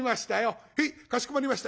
「へいかしこまりました。